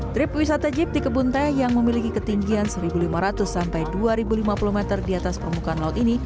trip wisata jeep di kebun teh yang memiliki ketinggian satu lima ratus sampai dua lima puluh meter di atas permukaan laut ini